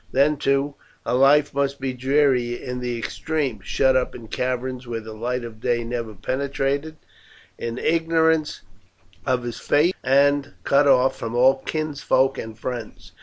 Then, too, her life must be dreary in the extreme, shut up in caverns where the light of day never penetrated, in ignorance of his fate, and cut off from all kinsfolk and friends.